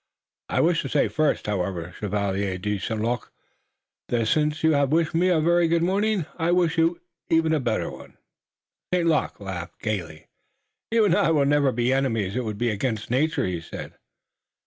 I wish to say first, however, Chevalier de St. Luc, that since you have wished me a very good morning I even wish you a better." St. Luc laughed gayly. "You and I will never be enemies. It would be against nature," he said.